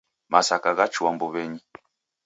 Masaka ghachua mbuw'enyi.